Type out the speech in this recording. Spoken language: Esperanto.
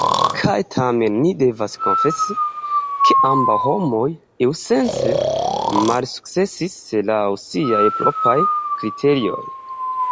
Kaj tamen ni devas konfesi, ke ambaŭ homoj iusence malsukcesis, laŭ siaj propraj kriterioj.